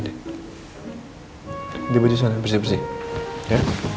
di baju sana bersih bersih ya